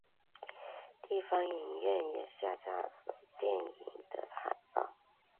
地方影院也下架了电影的海报。